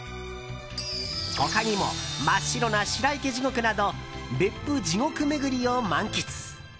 他にも真っ白な白池地獄など別府地獄巡りを満喫。